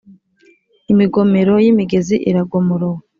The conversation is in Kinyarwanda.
Imigomero y’imigezi iragomorowe